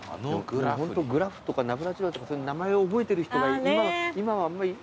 ホントグラフとかナブラチロワとか名前を覚えてる人が今はあんま。